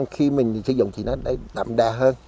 khi mình sử dụng thì nó đậm đà hơn